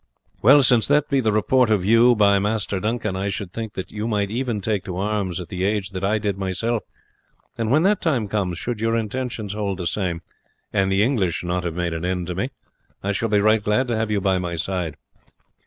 Well, since that be the report of you by Master Duncan, I should think you might even take to arms at the age that I did myself and when that time comes, should your intentions hold the same, and the English not have made an end of me, I shall be right glad to have you by my side.